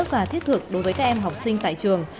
và thiết thực đối với các em học sinh tại trường